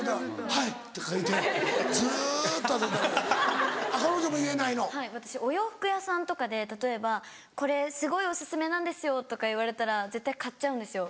はい私お洋服屋さんとかで例えば「これすごいお薦めなんですよ」とか言われたら絶対買っちゃうんですよ。